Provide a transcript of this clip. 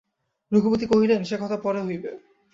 রঘুপতি কহিলেন, সে কথা পরে হইবে।